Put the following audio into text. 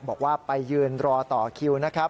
บอกว่าไปยืนรอต่อคิวนะครับ